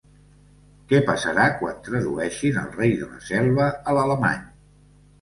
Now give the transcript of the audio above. Què passarà quan tradueixin El rei de la selva a l'alemany?